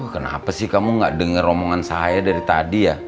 kenapa sih kamu gak denger omongan saya dari tadi ya